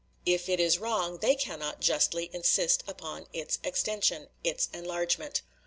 if it is wrong, they cannot justly insist upon its extension its enlargement.